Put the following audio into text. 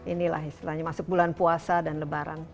ini lah istilahnya masuk bulan puasa dan lebaran